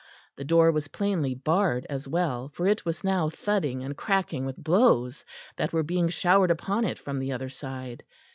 The door was plainly barred as well, for it was now thudding and cracking with blows that were being showered upon it from the other side.